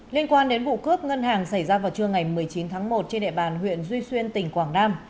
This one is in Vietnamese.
liên quan đến vụ cướp ngân hàng xảy ra vào trưa ngày một mươi chín tháng một trên địa bàn huyện duy xuyên tỉnh quảng nam